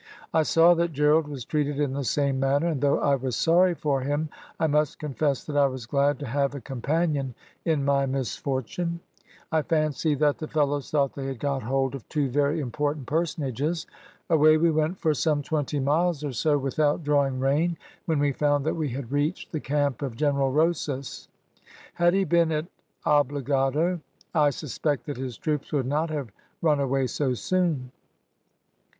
I saw that Gerald was treated in the same manner, and though I was sorry for him, I must confess that I was glad to have a companion in my misfortune. I fancy that the fellows thought they had got hold of two very important personages. Away we went for some twenty miles or so without drawing rein, when we found that we had reached the camp of General Rosas. Had he been at Obligado, I suspect that his troops would not have run away so soon.